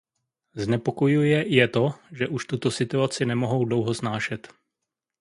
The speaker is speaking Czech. Znepokojuje je to, že už tuto situaci nemohou dlouho snášet.